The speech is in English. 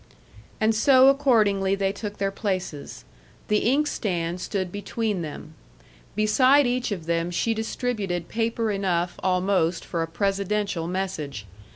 And so, accordingly, they took their places. The inkstand stood between them. Beside each of them she distributed paper enough, almost, for a presidential message.